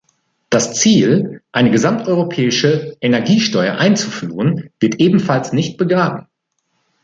Das Ziel, eine gesamteuropäische Energiesteuer einzuführen, wird ebenfalls nicht begraben.